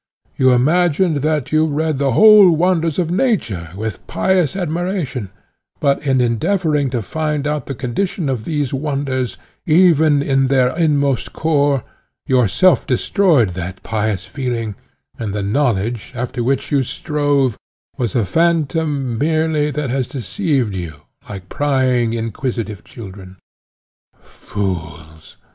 You imagined that you read the holy wonders of nature, with pious admiration, but, in endeavouring to find out the condition of those wonders, even in their inmost core, yourself destroyed that pious feeling, and the knowledge, after which you strove, was a phantom merely, that has deceived you, like prying, inquisitive children. "Fools!